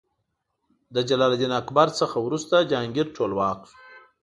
له جلال الدین اکبر نه وروسته جهانګیر ټولواک شو.